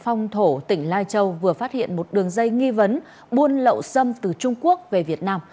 phong thổ tỉnh lai châu vừa phát hiện một đường dây nghi vấn buôn lậu xâm từ trung quốc về việt nam